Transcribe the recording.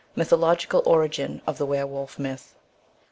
MYTHOLOGICAL ORIGIN OF THE WERE WOLF MYTH.